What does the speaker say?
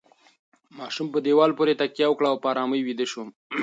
ماشوم په دیوال پورې تکیه وکړه او په ارامۍ ویده شو.